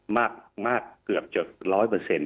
มากเกือบจน๑๐๐